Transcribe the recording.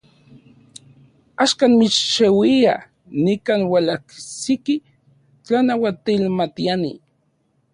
Axkan, mixeuia, nikan ualajsiki tlanauatilmatiani.